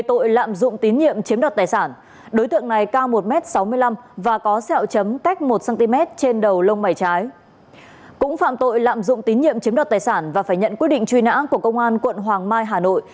tín nhiệm chiếm đọt tài sản và phải nhận quyết định truy nã của công an quận hoàng mai hà nội